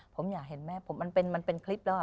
ผมอยากเห็นไหมมันเป็นคลิปแล้ว